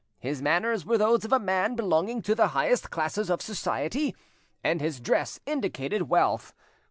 His manners were those of a man belonging to the highest classes of society, and his dress indicated wealth.